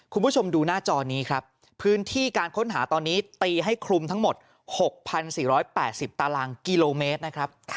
คุณผู้ชมดูหน้าจอนี้ครับพื้นที่การค้นหาตอนนี้ตีให้คลุมทั้งหมด๖๔๘๐ตารางกิโลเมตรนะครับ